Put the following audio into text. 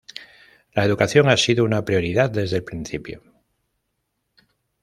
La educación ha sido una prioridad desde el principio.